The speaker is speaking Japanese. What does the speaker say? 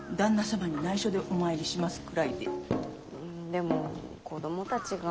うんでも子供たちが。